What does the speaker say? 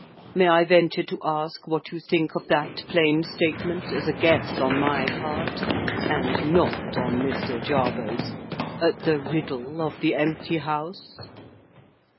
"May I venture to ask what you think of that plain statement, as a guess on my part (and not on Mr. Jarber's) at the riddle of the empty House?"